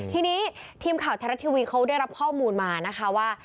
ทีนี้ทีมข่าวไทยรัฐทีวีเขาได้รับข้อมูลมานะคะว่า